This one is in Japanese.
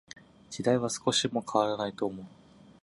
時代は少しも変らないと思う。